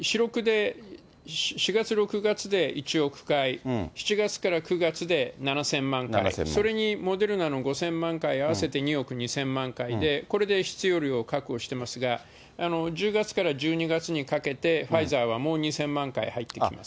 ４、６月で１億回、７月から９月で７０００万回、それにモデルナの５０００万回、合わせて２億２０００万回で、これで必要量を確保していますが、１０月から１２月にかけてファイザーはもう２０００万回入ってきます。